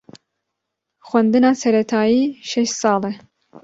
Xwendina seretayî şeş sal e.